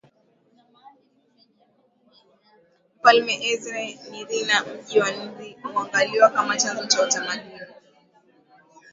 mfalme Eze Nrina mji wa Nri huangaliwa kama chanzo cha utamaduni